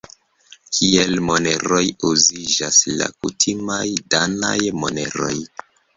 Kiel moneroj uziĝas la kutimaj danaj moneroj.